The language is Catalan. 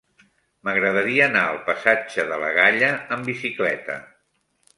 M'agradaria anar al passatge de la Galla amb bicicleta.